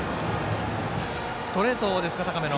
ストレートですか、高めの。